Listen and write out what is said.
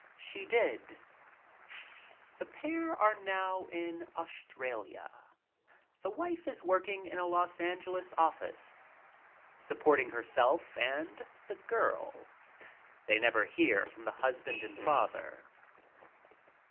She did. The pair are now in Australia. The wife is working in a Los Angeles office supporting herself and the girl. They never hear from the husband and father.